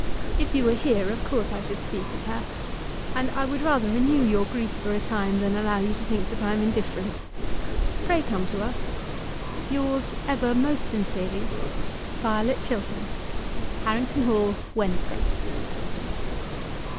If you were here of course I should speak of her. And I would rather renew your grief for a time than allow you to think that I am indifferent. Pray come to us. Yours ever most sincerely, VIOLET CHILTERN. Harrington Hall, Wednesday.